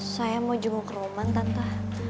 saya mau jenguk roman tante